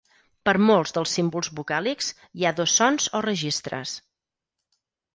Per molts dels símbols vocàlics, hi ha dos sons o registres.